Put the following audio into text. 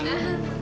benar itu wi